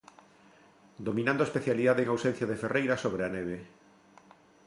Dominando a especialidade en ausencia de Ferreira sobre a neve.